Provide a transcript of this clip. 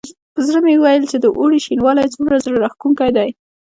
په زړه مې ویل چې د اوړي شینوالی څومره زړه راښکونکی وي.